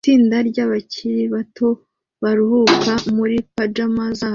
Itsinda ryabakiri bato baruhuka muri pajama zabo